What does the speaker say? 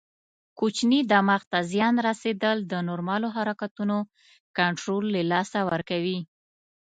کوچني دماغ ته زیان رسېدل د نورمالو حرکتونو کنټرول له لاسه ورکوي.